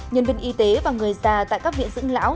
nhân viên y tế và người già tại các viện dưỡng lão